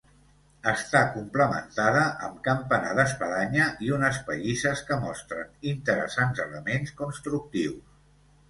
Està complementada amb campanar d'espadanya i unes pallisses que mostren interessants elements constructius.